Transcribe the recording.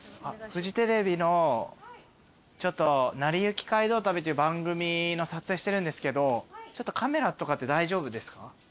フジテレビの『なりゆき街道旅』という番組の撮影してるんですけどカメラとかって大丈夫ですか？